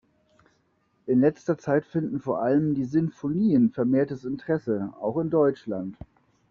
In letzter Zeit finden vor allem die Sinfonien vermehrtes Interesse, auch in Deutschland.